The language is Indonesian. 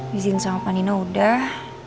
bikin sama panino udah